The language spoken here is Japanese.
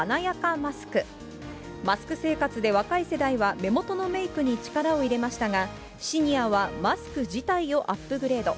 マスク生活で若い世代は目元のメークに力を入れましたが、シニアはマスク自体をアップグレード。